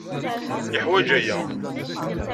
Yeḥwaj aya.